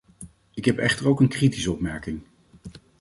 Ik heb echter ook een kritische opmerking.